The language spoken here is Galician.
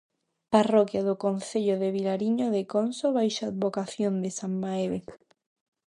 Parroquia do concello de Vilariño de Conso baixo a advocación de san Mamede.